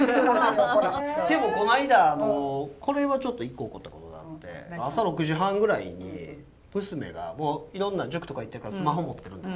でもこないだこれはちょっと一個怒ったことがあって朝６時半ぐらいに娘がもういろんな塾とか行ってるからスマホ持ってるんです。